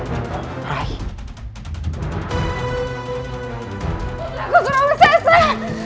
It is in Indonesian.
putraku sudah bersesat